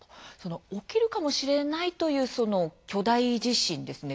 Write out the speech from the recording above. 起きるかもしれないというその巨大地震ですね